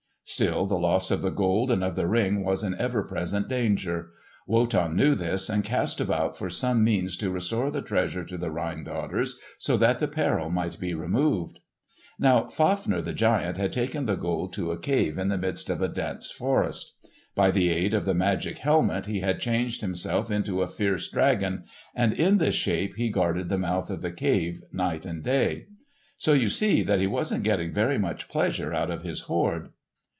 Still the loss of the Gold and of the Ring was an ever present danger. Wotan knew this, and cast about for some means to restore the treasure to the Rhine Daughters so that the peril might be removed. Now Fafner the giant had taken the Gold to a cave in the midst of a dense forest. By the aid of the magic helmet he had changed himself into a fierce dragon, and in this shape he guarded the mouth of the cave night and day. So you see that he wasn't getting very much pleasure out of his hoard.